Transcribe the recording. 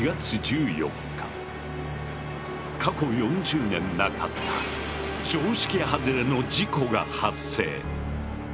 過去４０年なかった常識はずれの事故が発生。